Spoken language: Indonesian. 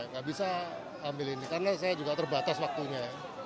gak bisa ambil ini karena saya juga terbatas waktunya